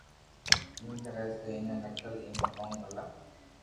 ايم ڪري تو ايتي نقل ايم ڪون ڀلا